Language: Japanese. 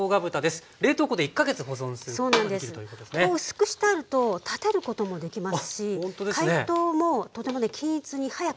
薄くしてあると立てることもできますし解凍もとてもね均一に早くできる。